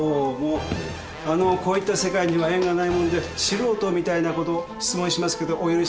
こういった世界には縁がないもんで素人みたいなこと質問をしますけどお許しください。